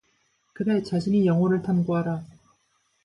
그대 자신의 영혼을 탐구하라.